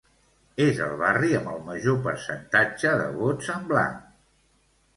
És el barri amb el major percentatge de vots en blanc.